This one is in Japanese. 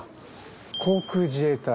航空自衛隊。